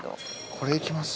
これ行きます？